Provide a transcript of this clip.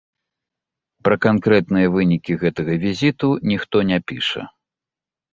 Пра канкрэтныя вынікі гэтага візіту ніхто не піша.